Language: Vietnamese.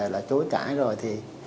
là chối cãi rồi